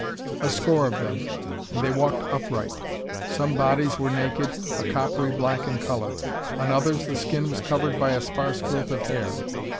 A score of them, and they walked upright. Some bodies were naked, a coppery black in color; on others the skin was covered by a sparse growth of hair.